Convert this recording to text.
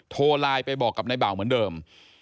โทรไลน์ไปบอกกับนายเบาเหมือนเดิม